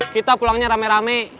kita pulangnya rame rame